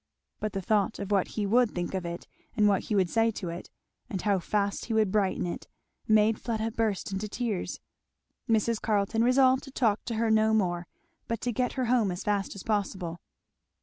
But the thought of what he would think of it, and what he would say to it, and how fast he would brighten it, made Fleda burst into tears. Mrs. Carleton resolved to talk to her no more, but to get her home as fast as possible.